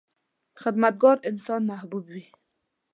• خدمتګار انسان محبوب وي.